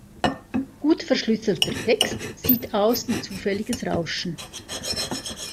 Gut verschlüsselter Text sieht aus wie zufälliges Rauschen.